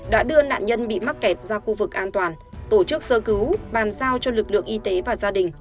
đã đưa nạn nhân bị mắc kẹt ra khu vực an toàn tổ chức sơ cứu bàn giao cho lực lượng y tế và gia đình